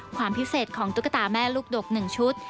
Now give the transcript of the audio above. ความพิเศษของตุ๊กตาแม่ลูกดก๑ชุด